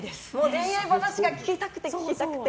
恋愛話が聞きたくて聞きたくて。